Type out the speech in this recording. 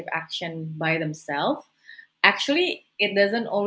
pemerintah menjadi fasilitator yang lebih baik